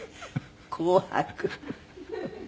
紅白。